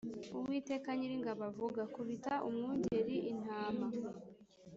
Uwiteka Nyiringabo avuga kubita umwungeri intama